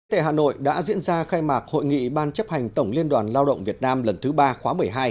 tại hà nội đã diễn ra khai mạc hội nghị ban chấp hành tổng liên đoàn lao động việt nam lần thứ ba khóa một mươi hai